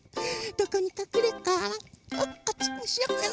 どこにかくれようか？